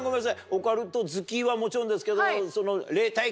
オカルト好きはもちろんですけど。